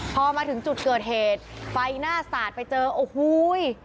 พอมาถึงจุดเกิดเหตุไฟหน้าสาดไปเจอโอ้โห